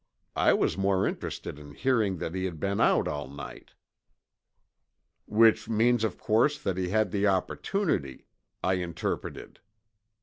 I was more interested in hearing that he had been out all night." "Which means of course that he had the opportunity," I interpreted.